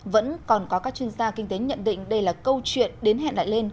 vẫn còn có các chuyên gia kinh tế nhận định đây là câu chuyện đến hẹn lại lên